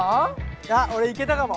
あ俺いけたかも。